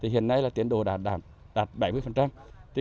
hiện nay tiến độ đã đạt bảy mươi